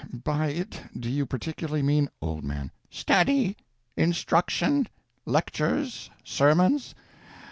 By it do you particularly mean— Old Man. Study, instruction, lectures, sermons?